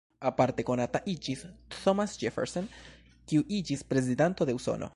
Aparte konata iĝis Thomas Jefferson, kiu iĝis prezidanto de Usono.